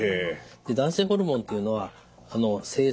男性ホルモンというのは精巣ですね